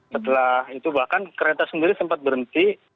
setelah itu bahkan kereta sendiri sempat berhenti